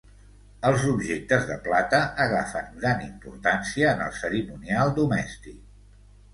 Els objectes de plata agafen gran importància en el cerimonial domèstic.